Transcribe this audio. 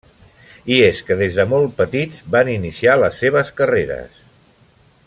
I és que des de molt petits van iniciar les seves carreres.